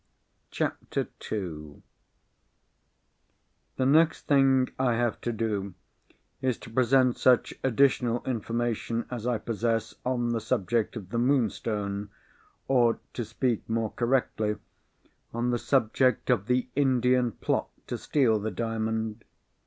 CHAPTER II The next thing I have to do, is to present such additional information as I possess on the subject of the Moonstone, or, to speak more correctly, on the subject of the Indian plot to steal the Diamond.